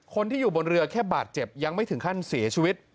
คนที่อยู่บนเรือแค่บาดเจ็บยังไม่ถึงขั้นเสียชีวิต